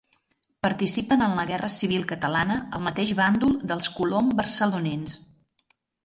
Participen en la Guerra civil catalana al mateix bàndol dels Colom barcelonins.